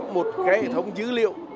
một hệ thống dữ liệu